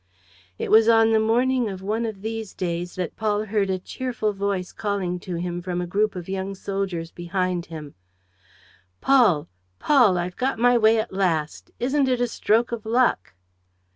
It was on the morning of one of these days that Paul heard a cheerful voice calling to him from a group of young soldiers behind him: "Paul, Paul! I've got my way at last! Isn't it a stroke of luck?"